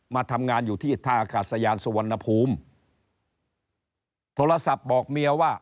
มาทำงานอยู่ที่ท่าอากาศยานสุวรรณภูมิโทรศัพท์บอกเมียว่า